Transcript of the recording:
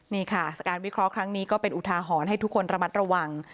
นี่ค่ะการวิเคราะห์ครั้งนี้ก็เป็นอุทาหรณ์ให้ทุกคนระมัดระวัง